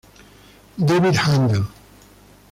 David Händel.